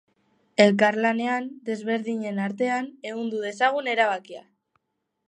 Elkarlanean, desberdinen artean, ehundu dezagun erabakia!